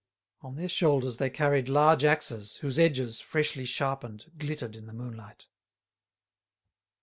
On their shoulders they carried large axes, whose edges, freshly sharpened, glittered in the moonlight.